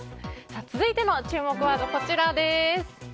続いての注目ワードはこちらです。